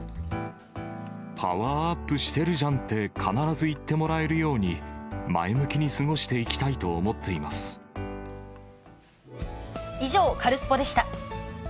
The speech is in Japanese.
パワーアップしてるじゃんって必ず言ってもらえるように、前向きに過ごしていきたいと思っ以上、カルスポっ！でした。